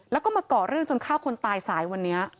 แล้วก็มาก่อเรื่องจนฆ่าคนตายสายวันนี้